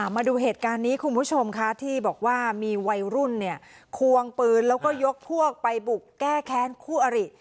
มาดูเหตุการณ์นี้คุณผู้ชมค่ะที่บอกว่ามีวัยรุ่นเนี่ยควงปืนแล้วก็ยกพวกไปบุกแก้แค้นคู่อริ